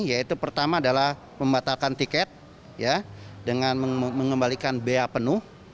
yaitu pertama adalah membatalkan tiket dengan mengembalikan bea penuh